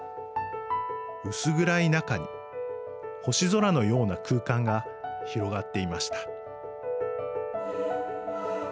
薄暗い中に星空のような空間が広がっていました。